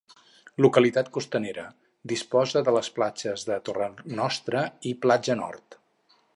Localitat costanera, disposa de les platges de Torrenostra i Platja Nord.